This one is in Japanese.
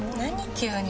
急に。